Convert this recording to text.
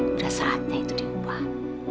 udah saatnya itu diubah